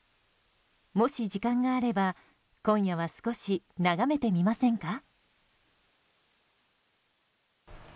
もし時間があれば今夜は少し眺めてみませんか？